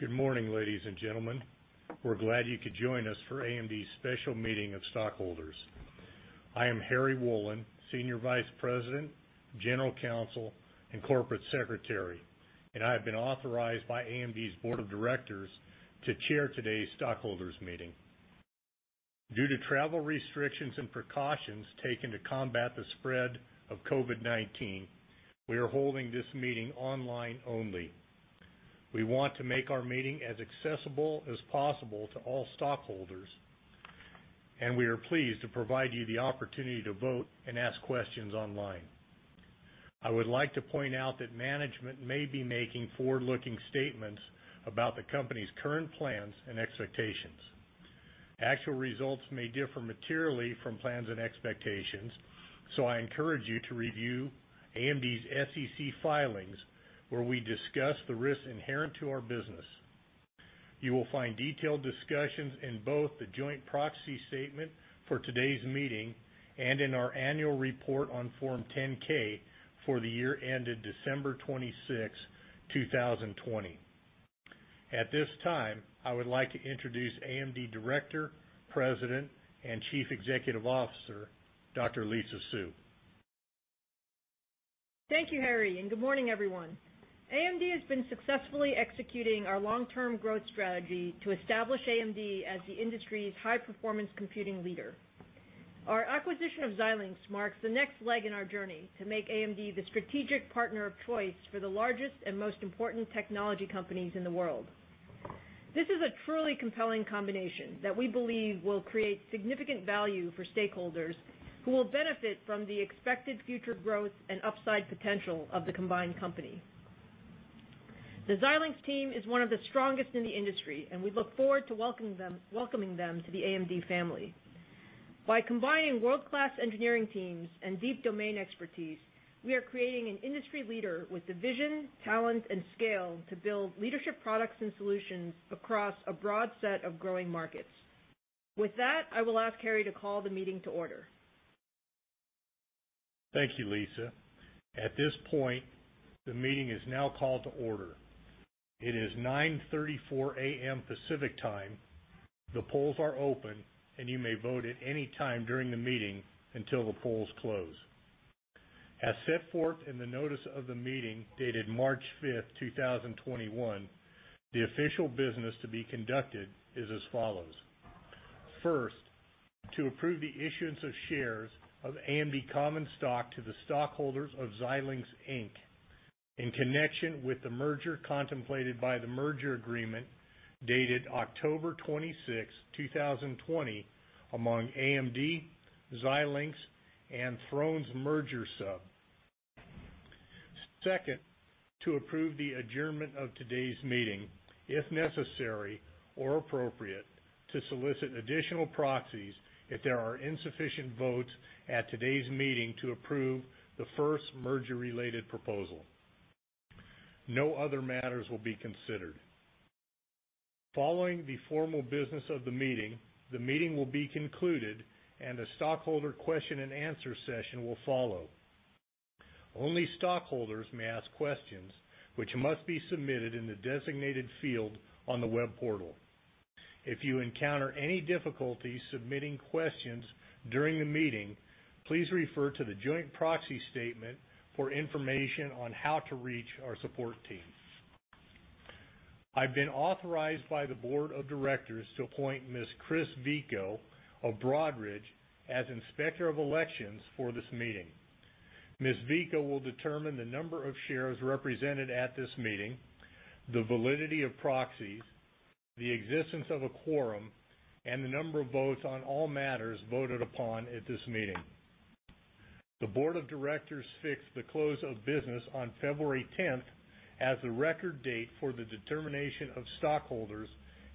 Good morning, ladies and gentlemen. We're glad you could join us for AMD's special meeting of stockholders. I am Harry Wolin, Senior Vice President, General Counsel, and Corporate Secretary, and I have been authorized by AMD's board of directors to chair today's stockholders meeting. Due to travel restrictions and precautions taken to combat the spread of COVID-19, we are holding this meeting online only. We want to make our meeting as accessible as possible to all stockholders, and we are pleased to provide you the opportunity to vote and ask questions online. I would like to point out that management may be making forward-looking statements about the company's current plans and expectations. Actual results may differ materially from plans and expectations. I encourage you to review AMD's SEC filings, where we discuss the risks inherent to our business. You will find detailed discussions in both the joint proxy statement for today's meeting and in our annual report on Form 10-K for the year ended December 26, 2020. At this time, I would like to introduce AMD Director, President, and Chief Executive Officer, Dr. Lisa Su. Thank you, Harry, and good morning, everyone. AMD has been successfully executing our long-term growth strategy to establish AMD as the industry's high-performance computing leader. Our acquisition of Xilinx marks the next leg in our journey to make AMD the strategic partner of choice for the largest and most important technology companies in the world. This is a truly compelling combination that we believe will create significant value for stakeholders who will benefit from the expected future growth and upside potential of the combined company. The Xilinx team is one of the strongest in the industry, and we look forward to welcoming them to the AMD family. By combining world-class engineering teams and deep domain expertise, we are creating an industry leader with the vision, talent, and scale to build leadership products and solutions across a broad set of growing markets. With that, I will ask Harry to call the meeting to order. Thank you, Lisa. At this point, the meeting is now called to order. It is 9:34 A.M. Pacific Time. The polls are open, and you may vote at any time during the meeting until the polls close. As set forth in the notice of the meeting dated March 5th, 2021, the official business to be conducted is as follows. First, to approve the issuance of shares of AMD common stock to the stockholders of Xilinx, Inc. in connection with the merger contemplated by the merger agreement dated October 26th, 2020 among AMD, Xilinx, and Thrones Merger Sub. Second, to approve the adjournment of today's meeting, if necessary or appropriate, to solicit additional proxies if there are insufficient votes at today's meeting to approve the first merger-related proposal. No other matters will be considered. Following the formal business of the meeting, the meeting will be concluded, and a stockholder question and answer session will follow. Only stockholders may ask questions, which must be submitted in the designated field on the web portal. If you encounter any difficulties submitting questions during the meeting, please refer to the joint proxy statement for information on how to reach our support team. I've been authorized by the board of directors to appoint Ms. Chris Vico of Broadridge as Inspector of Elections for this meeting. Ms. Vico will determine the number of shares represented at this meeting, the validity of proxies, the existence of a quorum, and the number of votes on all matters voted upon at this meeting. The board of directors fixed the close of business on February 10th, as the record date for the determination of stockholders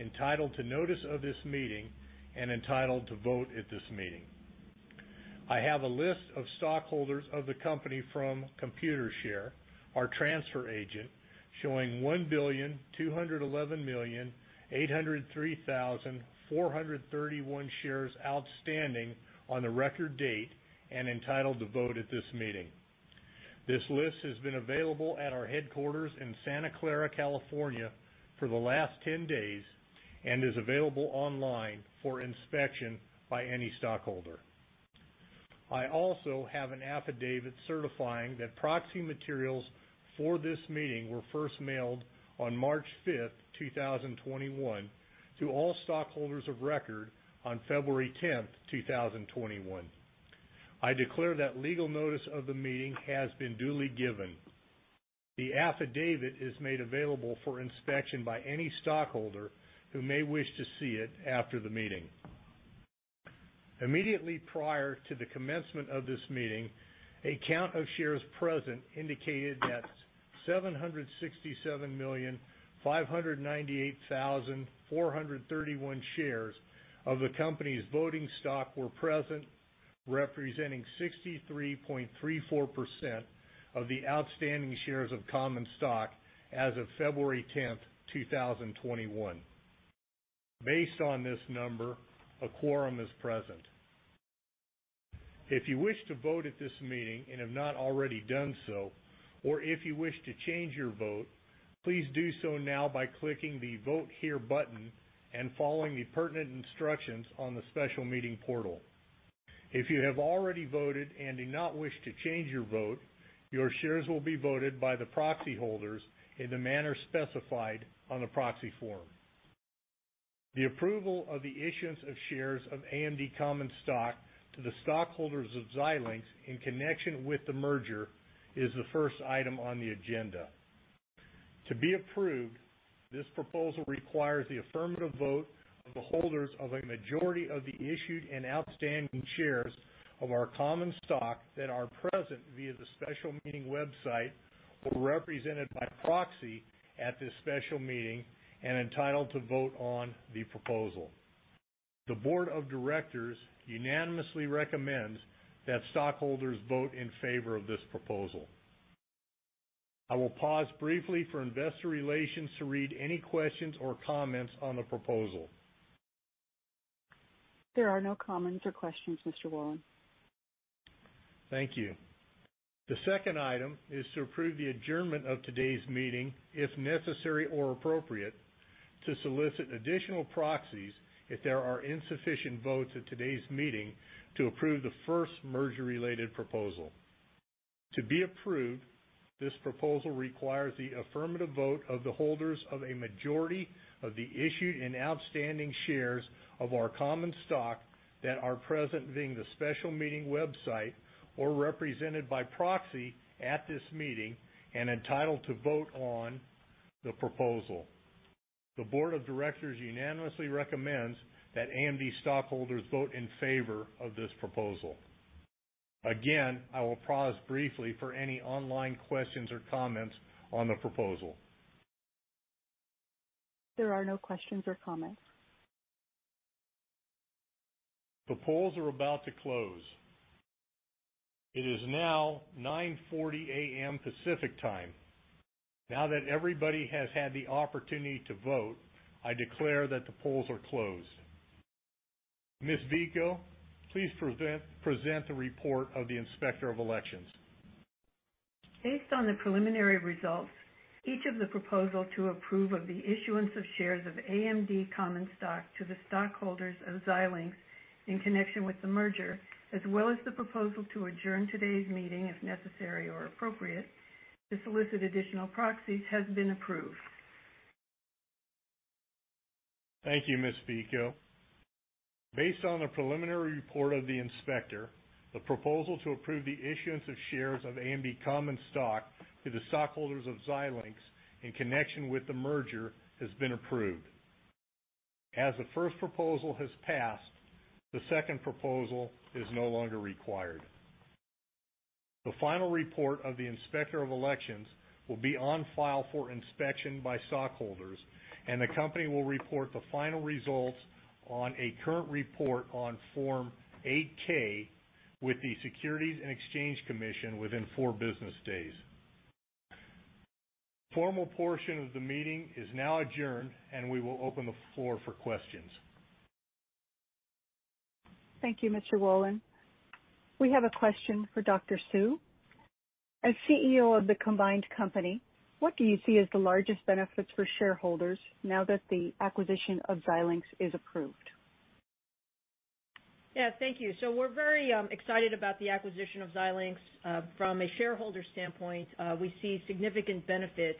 entitled to notice of this meeting and entitled to vote at this meeting. I have a list of stockholders of the company from Computershare, our transfer agent, showing 1,211,803,431 shares outstanding on the record date and entitled to vote at this meeting. This list has been available at our headquarters in Santa Clara, California for the last 10 days and is available online for inspection by any stockholder. I also have an affidavit certifying that proxy materials for this meeting were first mailed on March 5th, 2021, to all stockholders of record on February 10th, 2021. I declare that legal notice of the meeting has been duly given. The affidavit is made available for inspection by any stockholder who may wish to see it after the meeting. Immediately prior to the commencement of this meeting, a count of shares present indicated that 767,598,431 shares of the company's voting stock were present, representing 63.34% of the outstanding shares of common stock as of February 10th, 2021. Based on this number, a quorum is present. If you wish to vote at this meeting and have not already done so, or if you wish to change your vote, please do so now by clicking the Vote Here button and following the pertinent instructions on the special meeting portal. If you have already voted and do not wish to change your vote, your shares will be voted by the proxy holders in the manner specified on the proxy form. The approval of the issuance of shares of AMD common stock to the stockholders of Xilinx in connection with the merger is the first item on the agenda. To be approved, this proposal requires the affirmative vote of the holders of a majority of the issued and outstanding shares of our common stock that are present via the special meeting website, or represented by proxy at this special meeting and entitled to vote on the proposal. The board of directors unanimously recommends that stockholders vote in favor of this proposal. I will pause briefly for investor relations to read any questions or comments on the proposal. There are no comments or questions, Mr. Wolin. Thank you. The second item is to approve the adjournment of today's meeting, if necessary or appropriate, to solicit additional proxies if there are insufficient votes at today's meeting to approve the first merger-related proposal. To be approved, this proposal requires the affirmative vote of the holders of a majority of the issued and outstanding shares of our common stock that are present via the special meeting website, or represented by proxy at this meeting and entitled to vote on the proposal. The board of directors unanimously recommends that AMD stockholders vote in favor of this proposal. Again, I will pause briefly for any online questions or comments on the proposal. There are no questions or comments. The polls are about to close. It is now 9:40 A.M. Pacific Time. Now that everybody has had the opportunity to vote, I declare that the polls are closed. Ms. Vico, please present the report of the Inspector of Elections. Based on the preliminary results, each of the proposal to approve of the issuance of shares of AMD common stock to the stockholders of Xilinx in connection with the merger, as well as the proposal to adjourn today's meeting, if necessary or appropriate, to solicit additional proxies, has been approved. Thank you, Ms. Vico. Based on the preliminary report of the inspector, the proposal to approve the issuance of shares of AMD common stock to the stockholders of Xilinx in connection with the merger has been approved. The first proposal has passed, the second proposal is no longer required. The final report of the Inspector of Elections will be on file for inspection by stockholders, and the company will report the final results on a current report on Form 8-K with the Securities and Exchange Commission within four business days. Formal portion of the meeting is now adjourned, and we will open the floor for questions. Thank you, Mr. Wolin. We have a question for Dr. Su. As CEO of the combined company, what do you see as the largest benefits for shareholders now that the acquisition of Xilinx is approved? Yeah, thank you. We're very excited about the acquisition of Xilinx. From a shareholder standpoint, we see significant benefits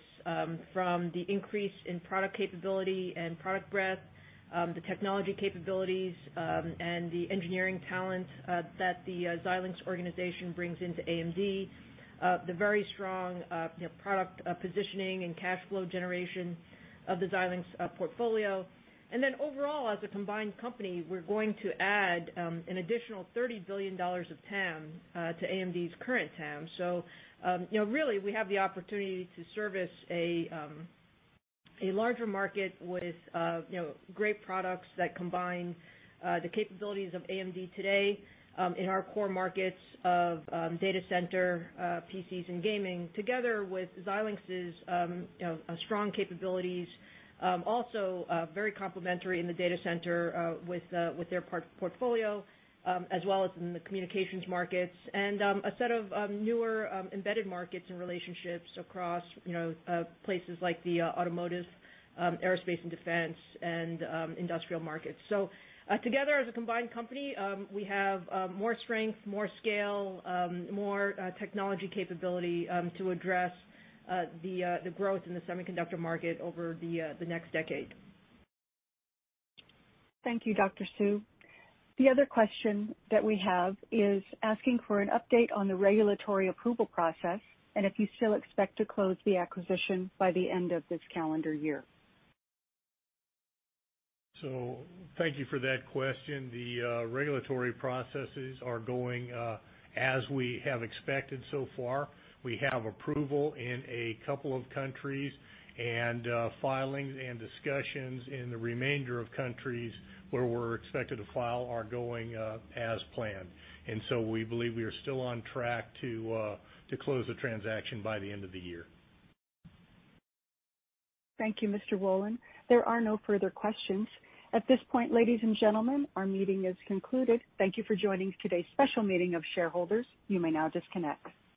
from the increase in product capability and product breadth, the technology capabilities, and the engineering talent that the Xilinx organization brings into AMD. The very strong product positioning and cash flow generation of the Xilinx portfolio. Overall, as a combined company, we're going to add an additional $30 billion of TAM to AMD's current TAM. Really, we have the opportunity to service a larger market with great products that combine the capabilities of AMD today in our core markets of data center, PCs, and gaming, together with Xilinx's strong capabilities. Also very complementary in the data center with their portfolio, as well as in the communications markets, and a set of newer embedded markets and relationships across places like the automotive, aerospace and defense, and industrial markets. Together, as a combined company, we have more strength, more scale, more technology capability to address the growth in the semiconductor market over the next decade. Thank you, Dr. Su. The other question that we have is asking for an update on the regulatory approval process and if you still expect to close the acquisition by the end of this calendar year. Thank you for that question. The regulatory processes are going as we have expected so far. We have approval in a couple of countries. Filings and discussions in the remainder of countries where we're expected to file are going as planned. We believe we are still on track to close the transaction by the end of the year. Thank you, Mr. Wolin. There are no further questions. At this point, ladies and gentlemen, our meeting is concluded. Thank you for joining today's special meeting of shareholders. You may now disconnect.